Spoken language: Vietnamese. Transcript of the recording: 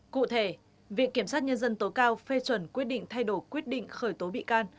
cụ thể viện kiểm sát nhân dân tối cao phê chuẩn quyết định thay đổi quyết định khởi tố bị can